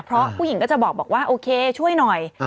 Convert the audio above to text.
เพราะผู้หญิงก็จะบอกว่าโอเคช่วยหน่อย